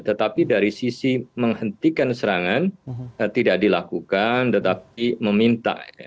tetapi dari sisi menghentikan serangan tidak dilakukan tetapi meminta